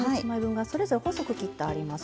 それぞれ細く切ってあります。